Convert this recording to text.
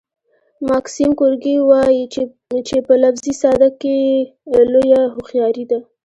ماکسیم ګورکي وايي چې په لفظي ساده ګۍ کې لویه هوښیاري ده